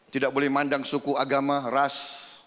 tidak boleh mandang suku agama ras